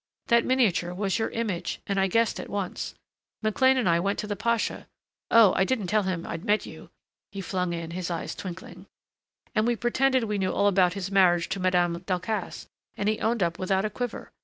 That miniature was your image, and I guessed at once. McLean and I went to the pasha Oh, I didn't tell him I'd met you!" he flung in, his eyes twinkling, "and we pretended we knew all about his marriage to Madame Delcassé and he owned up without a quiver.